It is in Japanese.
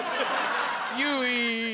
ゆい。